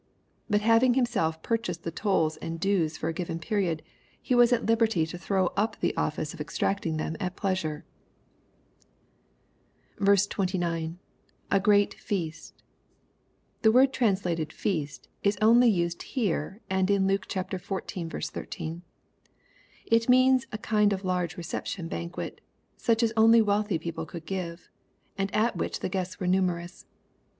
But having himself purchased the tolls and dues for a given period, he was at Uberty to throw up the office of exacting them at pleasure." 29. — [A great feast,] The word translated "feast" is only used here and Luke xiv. 13. It means a kind of large' reception banquet, such as only wealthy people could give, and at which the guests were numerous.